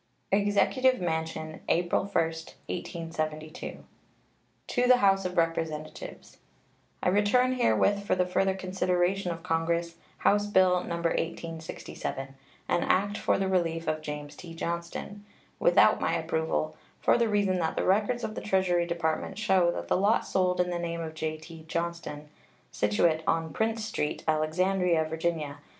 EXECUTIVE MANSION, April 1, 1872. To the House of Representatives: I return herewith, for the further consideration of Congress, House bill No. 1867, "An act for the relief of James T. Johnston," without my approval, for the reason that the records of the Treasury Department show that the lot sold in the name of J.T. Johnston, situate on Prince street, Alexandria, Va.